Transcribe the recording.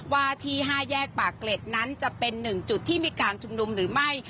ว่าที่๕แยกปากเกร็ดนั้นจะเป็น๑จุดที่มีการชุมนุมหรือไม่